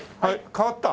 変わった？